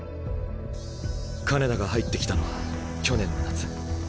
金田が入ってきたのは去年の夏。